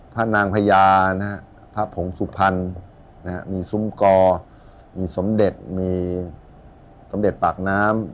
พระนางพญานะฮะพระผงสุพรรณมีซุ้มกอมีสมเด็จมีสมเด็จปากน้ำ